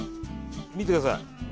見てください。